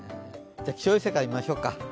じゃ、気象衛星から見ましょうか。